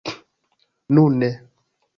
nune